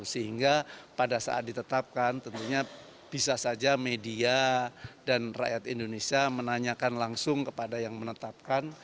sehingga pada saat ditetapkan tentunya bisa saja media dan rakyat indonesia menanyakan langsung kepada yang menetapkan